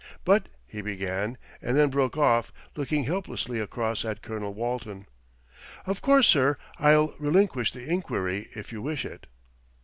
"But," he began, and then broke off, looking helplessly across at Colonel Walton. "Of course, sir, I'll relinquish the enquiry if you wish it."